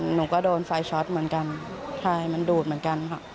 หนูก็โดนไฟช็อตเหมือนกันไฟมันดูดเหมือนกันค่ะ